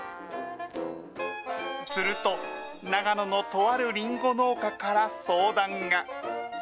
すると、長野のとあるりんご農家から相談が。